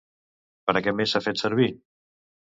Per a què més s'ha fet servir?